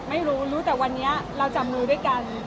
ไม่รู้รู้แต่วันนี้เราจับมือด้วยกัน